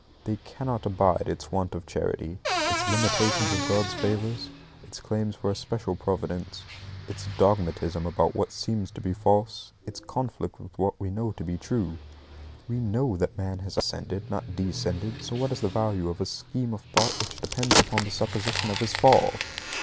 They cannot abide its want of charity, it's limitations of God's favours, its claims for a special Providence, its dogmatism about what seems to be false, its conflict with what we know to be true. We KNOW that man has ascended, not descended; so what is the value of a scheme of thought which depends upon the supposition of his fall?